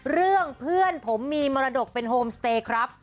เพื่อนผมมีมรดกเป็นโฮมสเตย์ครับ